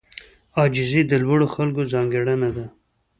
عاجزي د لوړو خلکو ځانګړنه ده.